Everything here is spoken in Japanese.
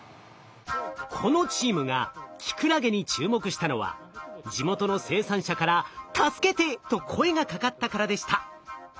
このチームがキクラゲに注目したのは地元の生産者から「助けて！」と声がかかったからでした。